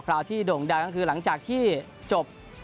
ราวที่โด่งดังก็คือหลังจากที่จบ